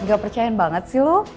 gak percaya banget sih lo